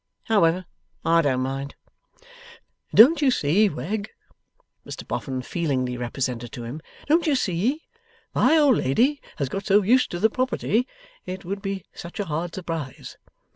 However, I don't mind.' 'Don't you see, Wegg?' Mr Boffin feelingly represented to him: 'don't you see? My old lady has got so used to the property. It would be such a hard surprise.